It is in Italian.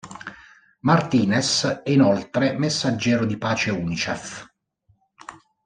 Martinez è inoltre messaggero di pace Unicef.